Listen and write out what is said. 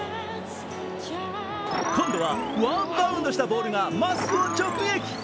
今度はワンバウンドしたボールがマスクを直撃。